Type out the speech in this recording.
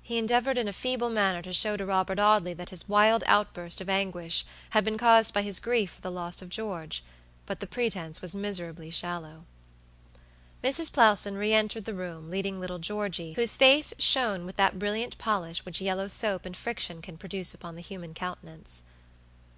He endeavored in a feeble manner to show to Robert Audley that his wild outburst of anguish had been caused by his grief for the loss of George; but the pretense was miserably shallow. Mrs. Plowson re entered the room, leading little Georgey, whose face shone with that brilliant polish which yellow soap and friction can produce upon the human countenance.